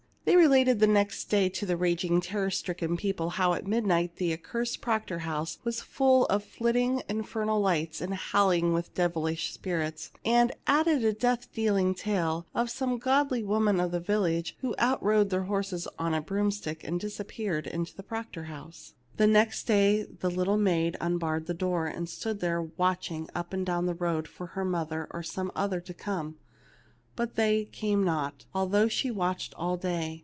They related the next day to the raging, terror stricken people how at midnight the accursed Proctor house was full of flitting infernal lights, and 240 THE LITTLE MAID AT THE DOOR howling with devilish spirits, and added a death dealing tale of some godly woman of the village who outrode their horses on a broomstick and disappeared in the Proctor house. The next day the little maid unbarred the door, and stood there watching up and down the road for her mother or some other to come. But they came not, although she watched all day.